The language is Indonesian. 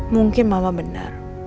mungkin mama benar